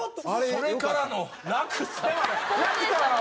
それからの落差が。